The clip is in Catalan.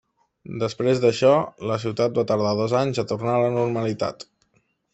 Després d'això, la ciutat va tardar dos anys a tornar a la normalitat.